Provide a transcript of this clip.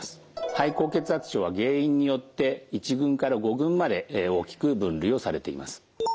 肺高血圧症は原因によって１群から５群まで大きく分類をされています。